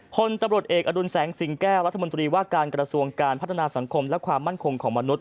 พลตำรวจเอกอดุลแสงสิงแก้วรัฐมนตรีว่าการกระทรวงการพัฒนาสังคมและความมั่นคงของมนุษย